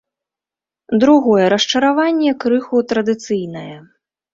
Другое расчараванне крыху традыцыйнае.